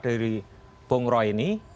dari bongro ini